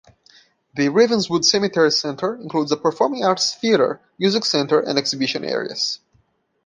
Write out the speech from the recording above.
The Ravenswood Centenary Centre includes a Performing Arts theatre, music centre and exhibition areas.